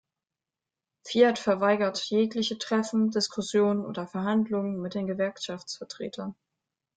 Fiat verweigert jegliche Treffen, Diskussionen oder Verhandlungen mit den Gewerkschaftsvertretern.